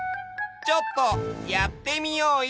ちょっとやってみようよ！